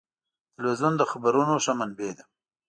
تلویزیون د خبرونو ښه منبع ده.